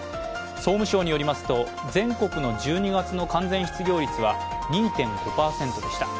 総務省によりますと、全国の１２月の完全失業率は２．５％でした。